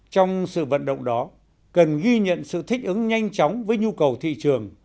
trong sự vận động đó cần ghi nhận sự thích ứng nhanh chóng với nhu cầu thị trường